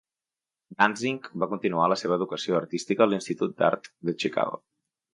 Dantzig va continuar la seva educació artística a l'Institut d'Art de Chicago.